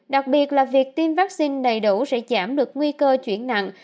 đặc biệt là việc tiêm vaccine đầy đủ sẽ giảm được nguy cơ chuyển nặng